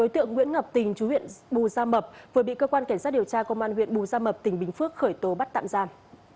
đối tượng nguyễn ngọc tình chú huyện bù gia mập vừa bị cơ quan cảnh sát điều tra công an huyện bù gia mập tỉnh bình phước khởi tố bắt tạm giam